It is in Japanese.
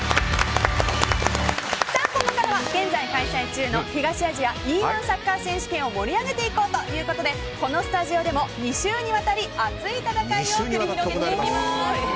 ここからは現在、開催中の東アジアＥ‐１サッカー選手権を盛り上げていこうということでこのスタジオでも２週にわたり熱い戦いを繰り広げていきます。